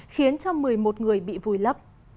khiến cho một mươi một người bị vùi lấp